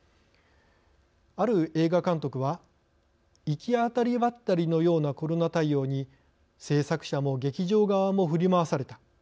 ある映画監督は行き当たりばったりのようなコロナ対応に製作者も劇場側も振り回された。